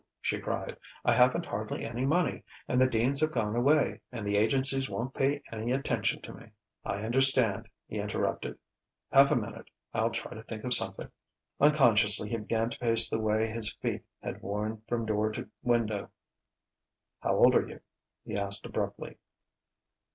she cried. "I haven't hardly any money, and the Deans have gone away, and the agencies won't pay any attention to me " "I understand," he interrupted. "Half a minute: I'll try to think of something." Unconsciously he began to pace the way his feet had worn from door to window. "How old are you?" he asked abruptly.